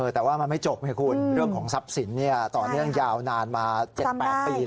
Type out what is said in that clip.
แต่ว่ามันไม่จบไงคุณเรื่องของทรัพย์สินต่อเนื่องยาวนานมา๗๘ปี